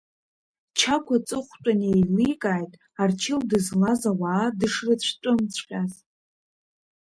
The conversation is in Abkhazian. Чагә аҵыхәтәан иеиликааит Арчил дызлаз ауаа дышрыцәтәымҵәҟьаз.